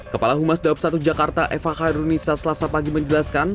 kepala humas dawab satu jakarta eva khairunisa selasa pagi menjelaskan